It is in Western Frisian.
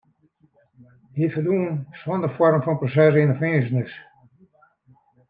Hja ferdwûn sûnder foarm fan proses yn de finzenis.